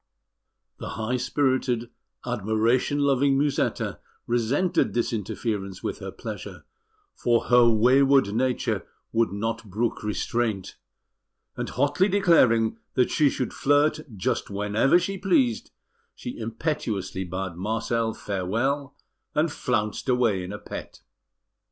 The high spirited, admiration loving Musetta resented this interference with her pleasure, for her wayward nature would not brook restraint; and hotly declaring that she should flirt just whenever she pleased, she impetuously bade Marcel farewell, and flounced away in a pet.